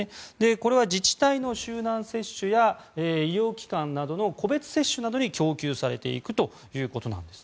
これは自治体の集団接種や医療機関などの個別接種などに供給されていくということです。